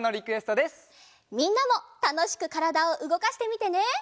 みんなもたのしくからだをうごかしてみてね！